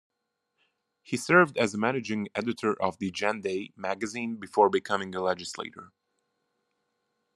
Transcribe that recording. He served as managing editor of the "Gendai" magazine before becoming a legislator.